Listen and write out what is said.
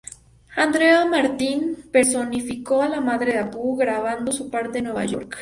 Andrea Martin personificó a la madre de Apu, grabando su parte en Nueva York.